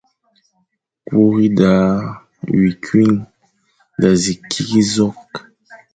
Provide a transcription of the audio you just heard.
« kuri da wi kwuign da zi kig zokh.